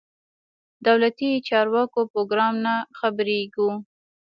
دولتي چارواکو پروګرام نه خبرېږو.